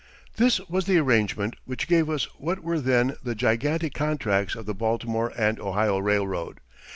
This was the arrangement which gave us what were then the gigantic contracts of the Baltimore and Ohio Railroad.